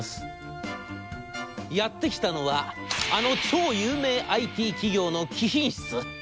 やって来たのはあの超有名ＩＴ企業の貴賓室。